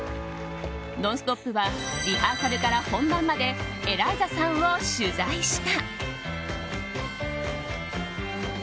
「ノンストップ！」はリハーサルから本番までエライザさんを取材した。